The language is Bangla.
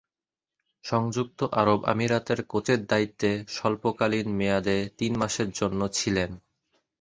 সংযুক্ত আরব আমিরাতের কোচের দায়িত্বে স্বল্পকালীন মেয়াদে তিন মাসের জন্য ছিলেন।